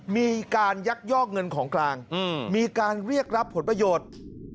มีการยักยอกเงินของกลางมีการเรียกรับผลประโยชน์